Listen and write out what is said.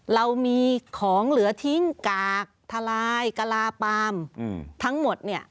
เรามีของเหลือทิ้งกากทลายกะลาปาล์มทั้งหมดเนี่ย